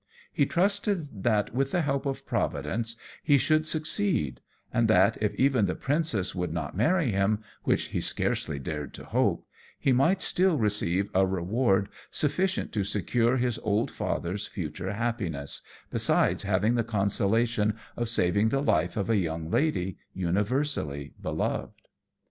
He trusted that, with the help of Providence, he should succeed; and that, if even the princess would not marry him, which he scarcely dared to hope, he might still receive a reward sufficient to secure his old father's future happiness, besides having the consolation of saving the life of a young lady universally beloved.